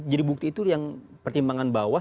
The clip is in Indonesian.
jadi bukti itu yang pertimbangan bawah